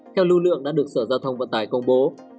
theo lưu lượng đã được sở giao thông vận tải công bố